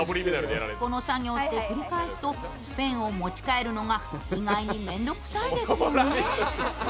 この作業って繰り返すと、ペンを持ちかえるのが意外に面倒くさいですよね。